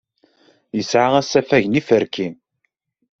Yesɛa asafag n yiferki.